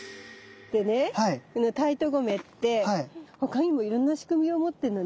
でねこのタイトゴメって他にもいろんな仕組みを持ってんのね。